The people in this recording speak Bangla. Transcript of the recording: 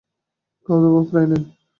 খাওয়াদাওয়া প্রায় নেই।